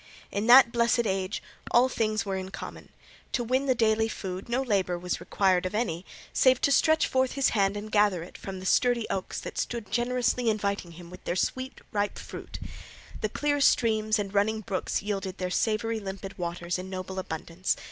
In that blessed age all things were in common; to win the daily food no labour was required of any save to stretch forth his hand and gather it from the sturdy oaks that stood generously inviting him with their sweet ripe fruit. The clear streams and running brooks yielded their savoury limpid waters in noble abundance.